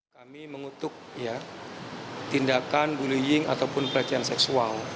kami mengutuk tindakan bullying ataupun pelecehan seksual